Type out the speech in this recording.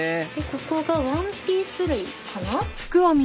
ここがワンピース類かな？